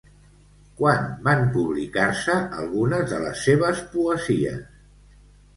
Quan van publicar-se algunes de les seves poesies?